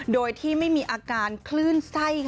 โดยที่ไม่มีอาการคลื่นไส้